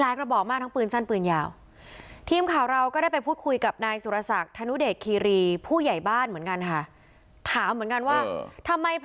แล้วทำไมถึงตัดสินใจไปกิดเล่าเหมือนกันวะ